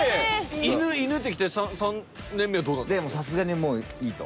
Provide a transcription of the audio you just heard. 犬犬って来て３年目はどうなったんですか？